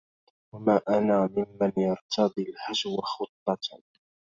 وما أنا ممن يرتضي الهجو خطة